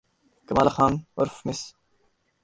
کمالہ خان عرف مس